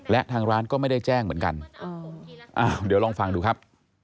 และทางร้านก็ไม่ได้แจ้งเหมือนกันเดี๋ยวลองฟังดูครับ